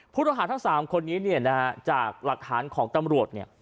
ผู้ต้องหาทั้ง๓คนนี้เนี่ยนะฮะจากหลักฐานของตำรวจเนี่ย